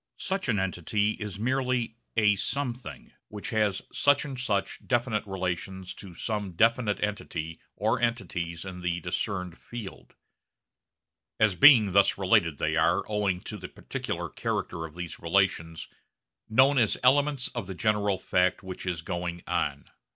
Such an entity is merely a 'something' which has such and such definite relations to some definite entity or entities in the discerned field. As being thus related, they are owing to the particular character of these relations known as elements of the general fact which is going on.